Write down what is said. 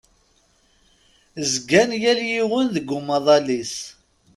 Zgan yal yiwen deg umaḍal-is.